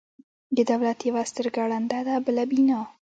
د دولت یوه سترګه ړنده ده، بله بینا.